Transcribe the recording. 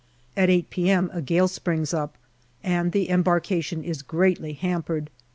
At 8 p.m. a gale springs up and the embarkation is greatly hampered.